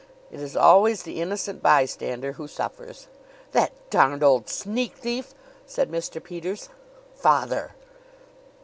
It is always the innocent bystander who suffers. "The darned old sneak thief!" said Mr. Peters. "Father!"